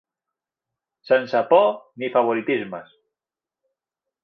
Sense por ni favoritismes.